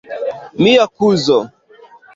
Mia kuzo.